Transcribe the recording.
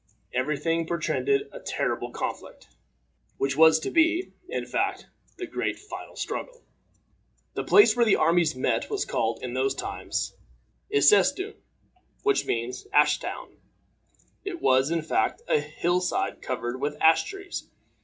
Every thing portended a terrible conflict, which was to be, in fact, the great final struggle. The place where the armies met was called in those times Æscesdune, which means Ashdown. It was, in fact, a hill side covered with ash trees.